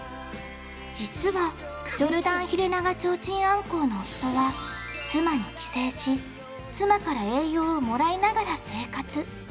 実はジョルダンヒレナガチョウチンアンコウの夫は妻に寄生し妻から栄養をもらいながら生活。